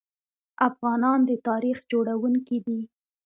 افغانان د تاریخ جوړونکي دي.